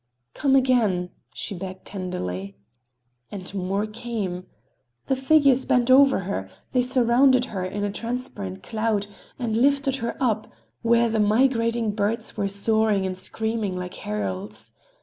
"Come again!" she begged tenderly. And more came. The figures bent over her, they surrounded her in a transparent cloud and lifted her up, where the migrating birds were soaring and screaming, like heralds.